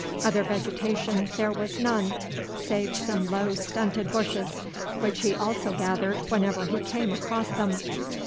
Other vegetation there was none, save some low stunted bushes, which he also gathered whenever he came across them.